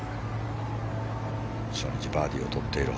初日バーディーをとっている。